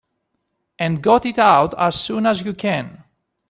And got it out as soon as you can.